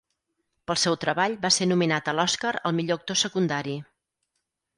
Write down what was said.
Pel seu treball va ser nominat a l'Oscar al millor actor secundari.